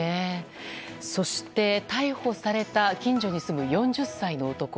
そして、逮捕された近所に住む４０歳の男。